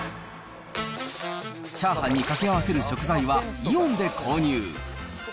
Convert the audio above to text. チャーハンに掛け合わせる食材は、イオンで購入。